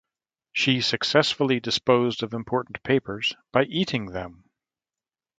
She successfully disposed of important papers by eating them.